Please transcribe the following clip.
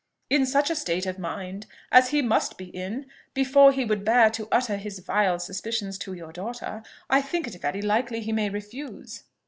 In such a state of mind as he must be in before he would bear to utter his vile suspicions to your daughter, I think it very likely he may refuse."